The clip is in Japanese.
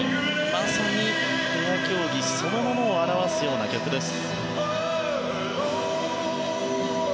まさに、ペア競技そのものを表すような曲です。